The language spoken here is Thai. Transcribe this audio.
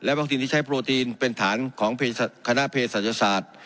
วัคซีนที่ใช้โปรตีนเป็นฐานของคณะเพศศาสตร์